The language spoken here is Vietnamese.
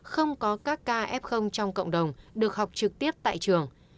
không có các kf trong cộng đồng được học trực tiếp tại trường